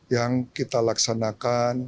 yang kita laksanakan di